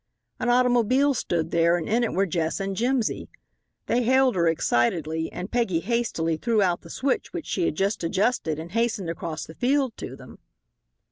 An automobile stood there, and in it were Jess and Jimsy. They hailed her excitedly, and Peggy hastily threw out the switch which she had just adjusted and hastened across the field to them.